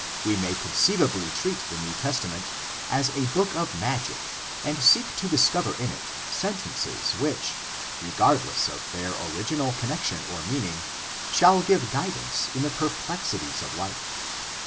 We may conceivably treat the New Testament as a book of magic and seek to discover in it sentences which, regardless of their original connection or meaning, shall give guidance in the per plexities of life.